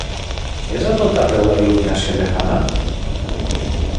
És a tot arreu la il·luminació de Hannah?